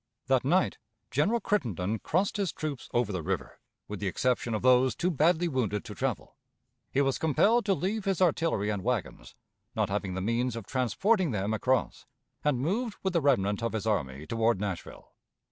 That night General Crittenden crossed his troops over the river, with the exception of those too badly wounded to travel. He was compelled to leave his artillery and wagons, not having the means of transporting them across, and moved with the remnant of his army toward Nashville.